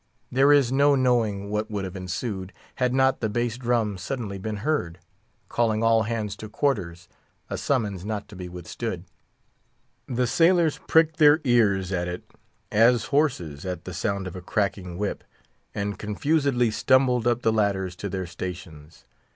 There is no knowing what would have ensued, had not the bass drum suddenly been heard, calling all hands to quarters, a summons not to be withstood. The sailors pricked their ears at it, as horses at the sound of a cracking whip, and confusedly stumbled up the ladders to their stations.